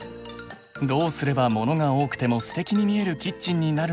どうすればモノが多くてもステキに見えるキッチンになるのか。